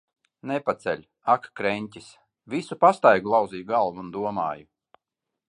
Nepaceļ. Ak, kreņķis! Visu pastaigu lauzīju galvu un domāju.